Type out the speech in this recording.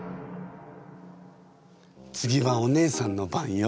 次はお姉さんの番よ。